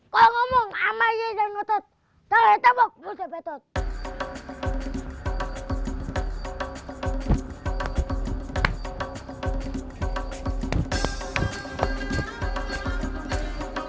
kau ngomong amai dan notot tak ada tabak buat sepetot